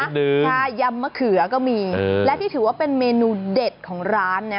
ซุปมะเขือทายำมะเขือก็มีและที่ถือว่าเป็นเมนูเด็ดของร้าน